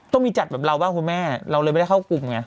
ต้องมีจัดแบบเราบ้างคุณแม่เราเลยไม่ได้เข้ากลุ่มไง